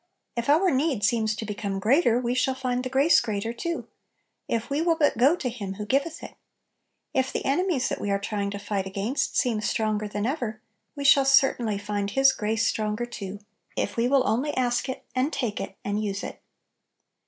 If our need seems to become greater, we shall find the grace greater too, if we will but go to Him who giv eth it; if the enemies that we are try ing to fight against seem stronger than ever, we shall certainly find His grace stronger too, if we will only ask it, and take it, and use it.